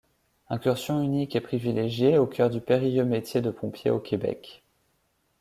Incursion unique et privilégiée au cœur du périlleux métier de pompier au Québec.